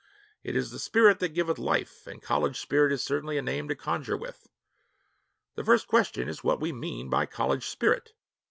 It is the spirit that giveth life, and 'college spirit' is certainly a name to conjure with. The first question is what we mean by college spirit.